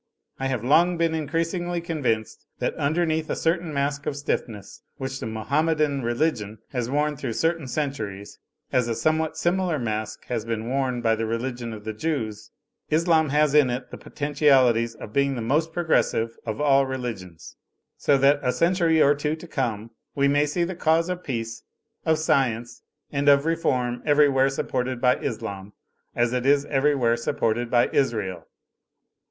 I have long been in creasingly convinced that underneath a certain mask of stiffness which the Mahomedan religion has worn through certain centuries, as a somewhat similar mask has been worn by the religion of the Jews, Islam has in it the potentialities of being the most progressive of all religions; so that a century or two to come we may see the cause of peace, of science and of reform every where supported by Islam as it is everywhere sup ported by Israel.